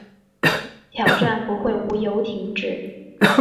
挑战不会无由停止